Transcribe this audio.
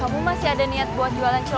kamu masih ada niat buat jualan